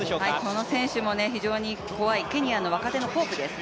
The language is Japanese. この選手も非常に怖い、ケニアの若手のホープです。